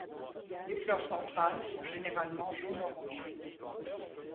Les fleurs centrales sont généralement jaune-orangé.